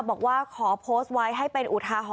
บอกว่าขอโพสต์ไว้ให้เป็นอุทาหรณ